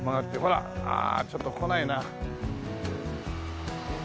ああちょっと来ないな。